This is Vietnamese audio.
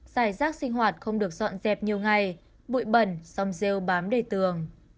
dài rác sinh hoạt không được dọn dẹp nhiều ngày bụi bẩn xong rêu bám đầy tường